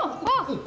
uh uh uh